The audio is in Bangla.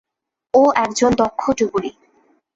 ও একজন দক্ষ ডুবুরি।